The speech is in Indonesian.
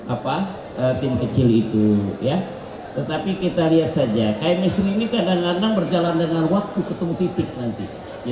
apa tim kecil itu ya tetapi kita lihat saja chemistry ini kadang kadang berjalan dengan waktu ketemu titik nanti